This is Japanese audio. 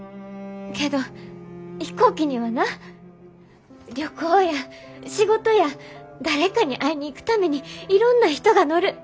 けど飛行機にはな旅行や仕事や誰かに会いに行くためにいろんな人が乗る。